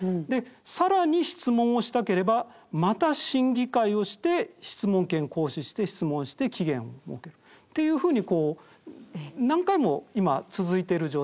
更に質問をしたければまた審議会をして質問権行使して質問して期限を設けるっていうふうに何回も今続いている状態。